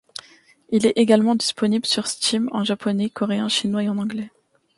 Il est également disponible sur Steam en japonais, coréen, chinois et anglais.